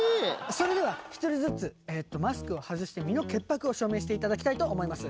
それでは１人ずつマスクを外して身の潔白を証明していただきたいと思います。